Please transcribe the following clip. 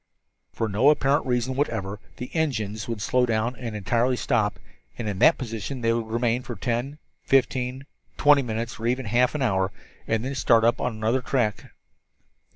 For no apparent reason whatever the engines would slow down and entirely stop, and in that position they would remain for ten, fifteen, twenty minutes or even half an hour, and then start up again on another tack.